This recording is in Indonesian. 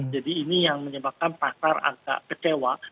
jadi ini yang menyebabkan pasar agak kecewa